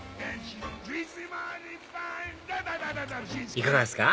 いかがですか？